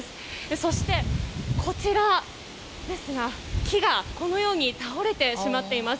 そして、木がこのように倒れてしまっています。